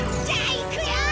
じゃあいくよ！